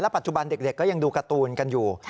ปัจจุบันเด็กก็ยังดูการ์ตูนกันอยู่